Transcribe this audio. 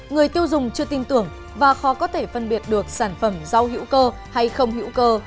người tiêu dùng chưa tin tưởng và khó có thể phân biệt được sản phẩm rau hữu cơ hay không hữu cơ